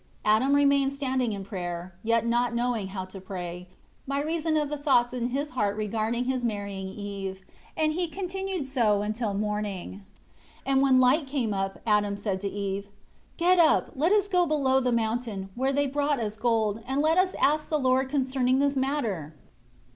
Adam remained standing in prayer, yet not knowing how to pray, by reason of the thoughts in his heart regarding his marrying Eve; and he continued so until morning. 17 And when light came up, Adam said to Eve, "Get up, let us go below the mountain, where they brought us gold, and let us ask the Lord concerning this matter."